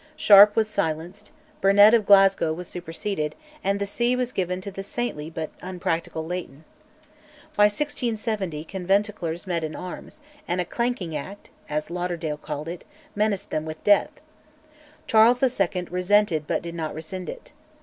Sharp was silenced; Burnet of Glasgow was superseded, and the see was given to the saintly but unpractical Leighton. By 1670 conventiclers met in arms, and "a clanking Act," as Lauderdale called it, menaced them with death: Charles II. resented but did not rescind it.